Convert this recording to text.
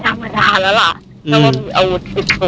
มันครับ